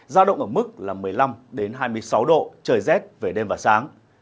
giao động ở mức một mươi năm hai mươi sáu độ trời rét về đêm và sáng